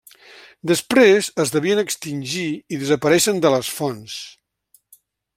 Després es devien extingir i desapareixen de les fonts.